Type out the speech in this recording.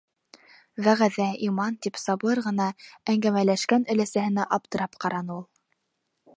Вәғәҙә - иман! - тип сабыр ғына әңгәмәләшкән өләсәһенә аптырап ҡараны ул.